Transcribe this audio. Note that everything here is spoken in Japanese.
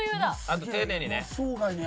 あと丁寧にね。